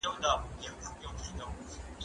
زه اوس ميوې خورم!؟